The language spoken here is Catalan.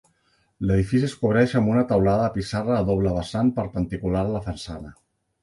L'edifici es cobreix amb una teulada de pissarra a doble vessant perpendicular a la façana.